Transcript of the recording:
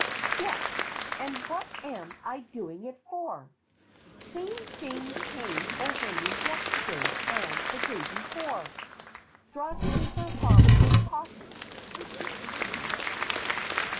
Yes, and what am I doing it for ? Same thing came over me yesterday and the day before. (Draws papers from his pocket.)